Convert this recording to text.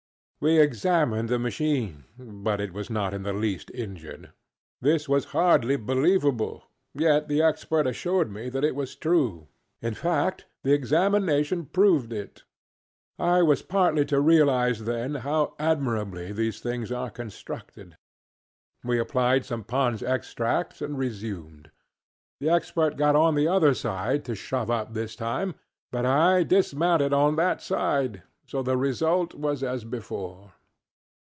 We examined the machine, but it was not in the least injured. This was hardly believable. Yet the Expert assured me that it was true; in fact, the examination proved it. I was partly to realize, then, how admirably these things are constructed. We applied some PondŌĆÖs Extract, and resumed. The Expert got on the _other _side to shove up this time, but I dismounted on that side; so the result was as before.